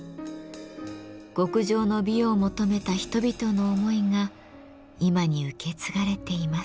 極上の美を求めた人々の思いが今に受け継がれています。